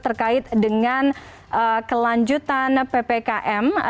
terkait dengan kelanjutan ppkm